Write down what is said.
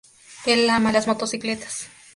Él ama las motocicletas.